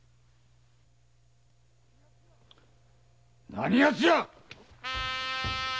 何やつじゃ！